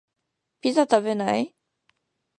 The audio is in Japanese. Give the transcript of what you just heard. ピザ食べない？